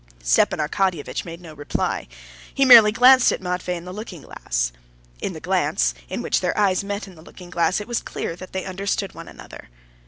Stepan Arkadyevitch made no reply, he merely glanced at Matvey in the looking glass. In the glance, in which their eyes met in the looking glass, it was clear that they understood one another.